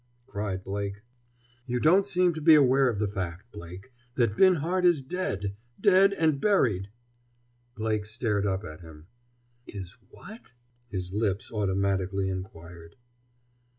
cried Blake. "You don't seem to be aware of the fact, Blake, that Binhart is dead—dead and buried!" Blake stared up at him. "Is what?" his lips automatically inquired.